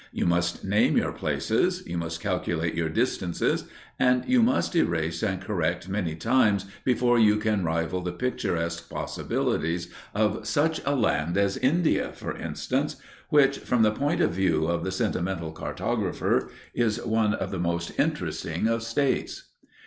You must name your places, you must calculate your distances, and you must erase and correct many times before you can rival the picturesque possibilities of such a land as India, for instance, which, from the point of view of the sentimental cartographer, is one of the most interesting of states.